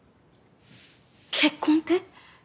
結婚って？